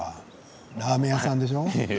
ラーメン屋さんでしょう？